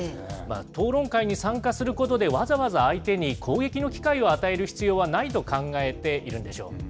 討論会に参加することで、わざわざ相手に攻撃の機会を与える必要はないと考えているんでし